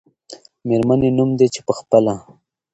میرمنې نوم دی، چې په خپله